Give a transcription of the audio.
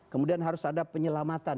kemudian harus ada penyelamatan